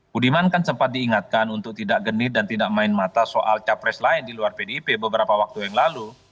budiman kan sempat diingatkan untuk tidak genit dan tidak main mata soal capres lain di luar pdip beberapa waktu yang lalu